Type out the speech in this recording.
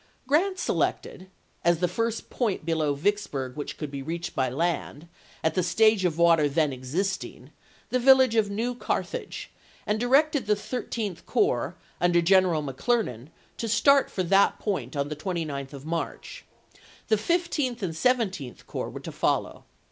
Grant selected as the first point below Vicks burg which could be reached by land, at the stage of water then existing, the village of New Carthage, and directed the Thirteenth Corps, under General McClernand, to start for that point on the 29th of March ; the Fifteenth and Seventeenth Corps were i863. to follow.